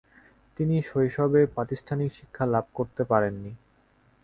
তিনি শৈশবে প্রাতিষ্ঠানিক শিক্ষা লাভ করতে পারেননি।